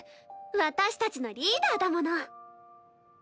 私たちのリーダーだもの。